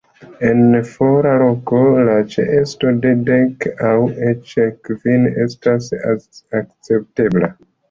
En fora loko, la ĉeesto de dek aŭ eĉ kvin estas akceptebla.